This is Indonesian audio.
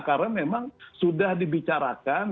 karena memang sudah dibicarakan